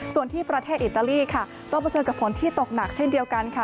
ส่วนที่ประเทศอิตาลีค่ะต้องเผชิญกับฝนที่ตกหนักเช่นเดียวกันค่ะ